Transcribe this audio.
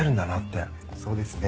そうですね。